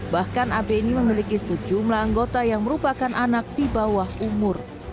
bahkan ab ini memiliki sejumlah anggota yang merupakan anak di bawah umur